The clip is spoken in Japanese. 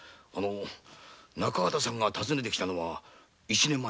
中畑さんが訪ねて来たのは一年前でした。